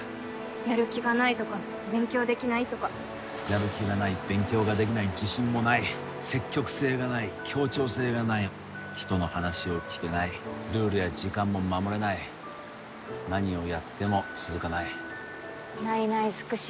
やる気がないとか勉強できないとかやる気がない勉強ができない自信もない積極性がない協調性がない人の話を聞けないルールや時間も守れない何をやっても続かないないない尽くし